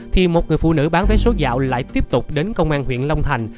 thì một người phụ nữ bán vé số dạo lại tiếp tục đến công an huyện long thành